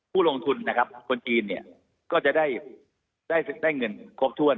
ผู้ลงทุนคนจีนก็จะได้เงินครบถ้วน